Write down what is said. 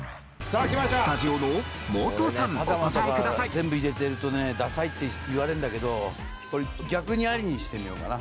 パジャマとか全部入れてるとねダサいって言われるんだけどこれ逆にアリにしてみようかな。